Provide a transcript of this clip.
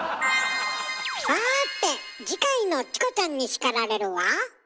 さて次回の「チコちゃんに叱られる」は？